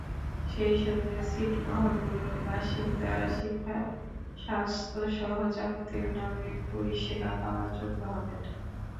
সেই সঙ্গে ছিটমহলগুলোর বাসিন্দারা শিক্ষা, স্বাস্থ্যসহ যাবতীয় নাগরিক পরিষেবা পাওয়ার যোগ্য হবেন।